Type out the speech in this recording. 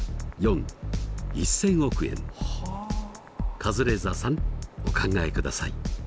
カズレーザーさんお考えください。